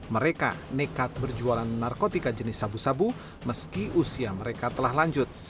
mereka nekat berjualan narkotika jenis sabu sabu meski usia mereka telah lanjut